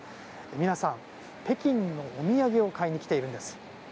皆さん、北京のお土産を買いに来ているんです。